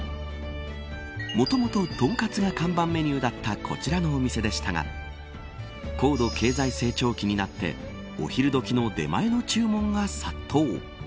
もともと、とんかつが看板メニューだったこちらのお店でしたが高度経済成長期になってお昼どきの出前の注文が殺到。